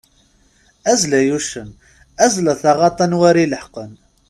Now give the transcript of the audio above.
Azzel ay uccen, azzel a taɣaḍt anwa ara ileḥqen.